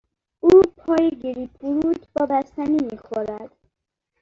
او پای گریپ فروت با بستنی می خورد.